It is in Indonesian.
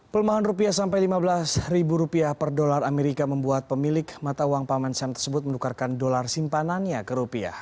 pelemahan rupiah sampai lima belas ribu rupiah per dolar amerika membuat pemilik mata uang paman sam tersebut menukarkan dolar simpanannya ke rupiah